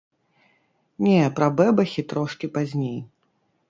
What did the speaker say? Не, пра бэбахі трошкі пазней.